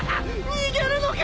逃げるのか？